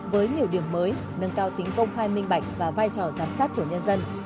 với nhiều điểm mới nâng cao tính công khai minh bạch và vai trò giám sát của nhân dân